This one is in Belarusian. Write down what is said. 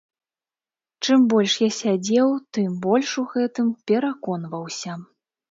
Чым больш я сядзеў, тым больш у гэтым пераконваўся.